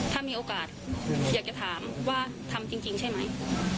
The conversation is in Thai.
ถ้ามีโอกาสอยากจะถามว่าทำจริงใช่ไหม